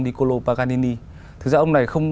niccolò paganini thực ra ông này không